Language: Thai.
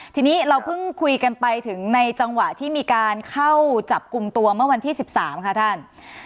ทีนี้เราเพิ่งคุยกันไปถึงในจังหวะที่มีการเข้าจับกลุ่มตัวเมื่อวันที่๑๓ค่ะท่าน